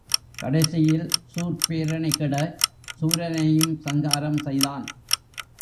கடைசியில் சூர்ப்பேரணி கெடச் சூரனையும் சங்காரம் செய்தான்.